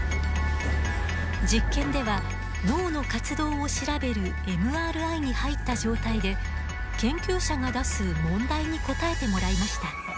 実験では脳の活動を調べるＭＲＩに入った状態で研究者が出す問題に答えてもらいました。